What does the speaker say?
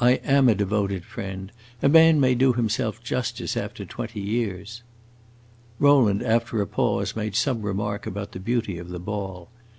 I am a devoted friend. A man may do himself justice, after twenty years!" Rowland, after a pause, made some remark about the beauty of the ball.